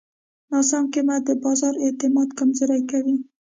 ناسم قیمت د بازار اعتماد کمزوری کوي.